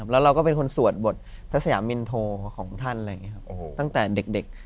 แล้วเราก็เป็นคนสวดบททัศยามินโทของท่านตั้งแต่เด็ก